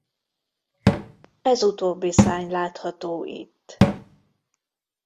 Ez utóbbi szárny látható itt.